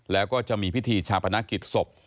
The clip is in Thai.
แล้วก็จะมีพิธีชาปนกิจศพ